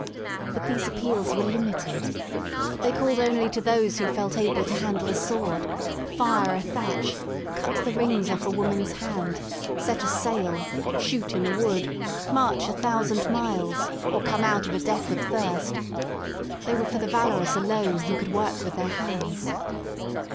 But these appeals were limited. They called only to those who felt able to handle a sword, fire a thatch, cut the rings off a woman *s hand, set a sail, shoot in a wood, march a thousand miles or come out of a death of thirst. They were for the valorous alone who could work with their hands.